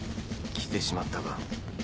来てしまったか。